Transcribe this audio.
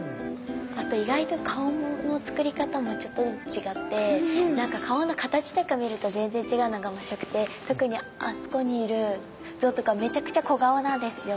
あと意外と顔のつくり方もちょっとずつ違って何か顔の形とか見ると全然違うのが面白くて特にあそこにいる像とかめちゃくちゃ小顔なんですよ。